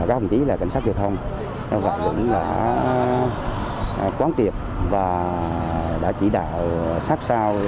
các đồng chí là cảnh sát truyền thông đã quán triệp và đã chỉ đạo sát sao